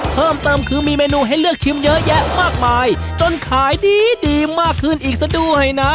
เพิ่มเติมคือมีเมนูให้เลือกชิมเยอะแยะมากมายจนขายดีดีมากขึ้นอีกซะด้วยนะ